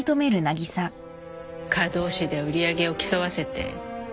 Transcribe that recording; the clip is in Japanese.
科同士で売り上げを競わせて。